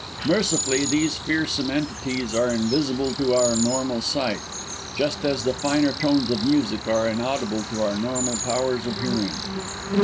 Mercifully, these fearsome entities are invisible to our normal sight, just as the finer tones of music are inaudible to our normal powers of hearing.